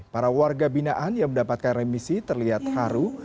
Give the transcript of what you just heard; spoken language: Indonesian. para warga binaan yang mendapatkan remisi terlihat haru